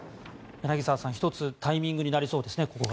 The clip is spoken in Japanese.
柳澤さん、１つここがタイミングになりそうですね。